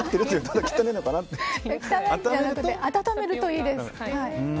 温めるといいです。